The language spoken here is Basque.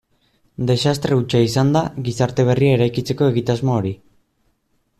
Desastre hutsa izan da gizarte berria eraikitzeko egitasmo hori.